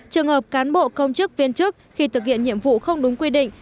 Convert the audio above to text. trường hợp cán bộ công chức viên chức khi thực hiện nhiệm vụ không đúng quy định